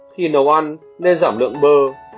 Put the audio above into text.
khi nấu ăn nên giảm lượng bơ